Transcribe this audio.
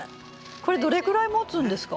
これどれぐらいもつんですか？